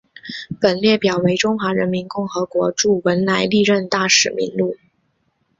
本列表为中华人民共和国驻文莱历任大使名录。